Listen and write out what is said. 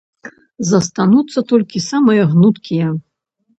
Застануцца толькі самыя гнуткія.